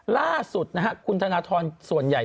ล่าสุดนะฮะคุณธนทรส่วนใหญ่